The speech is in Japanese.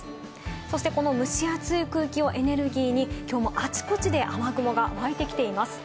そして、この蒸し暑い空気をエネルギーに、きょうもあちこちで雨雲がわいてきています。